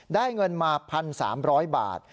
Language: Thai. ได้เงินมา๑๓๐๐บาท